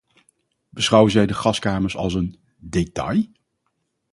Beschouwen zij de gaskamers als een "detail"?